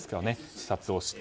視察をして。